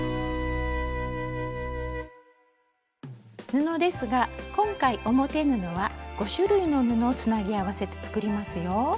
布ですが今回表布は５種類の布をつなぎ合わせて作りますよ。